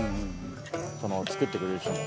その作ってくれる人も。